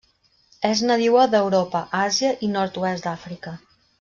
És nadiua d'Europa, Àsia, i nord-oest d'Àfrica.